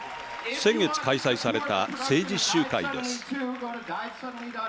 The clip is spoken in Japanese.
先月開催された政治集会です。